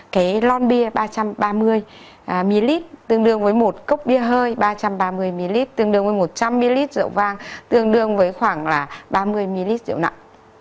cái lon bia ba trăm ba mươi ml tương đương với một cốc bia hơi ba trăm ba mươi ml tương đương với một trăm linh ml rượu vang tương đương với khoảng là ba mươi ml rượu nặng